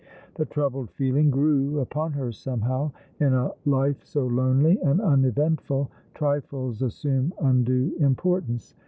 The troubled feeling grew upon her somehow. In a life so lonely and uneventful trifles assume undue importance.